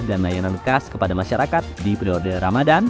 dan layanan kas kepada masyarakat di periode ramadhan